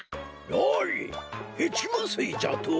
ヘチマすいじゃと？